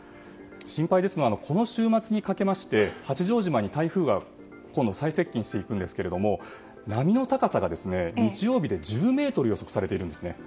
心配なのはこの週末にかけまして八丈島が台風が最接近していくんですが波の高さが、日曜日で１０ｍが予測されているんですね。